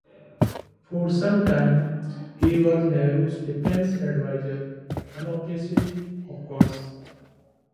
For sometime he was Nehru's defence advisor, unofficially of course.